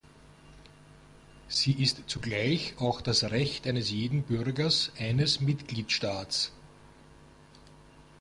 Sie ist zugleich auch das Recht eines jeden Bürgers eines Mitgliedstaats.